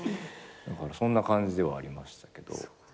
だからそんな感じではありましたけど。